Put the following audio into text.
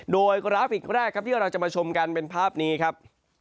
โดยกราฟิกแรกครับที่เราจะมาชมกันเป็นภาพนี้ครับ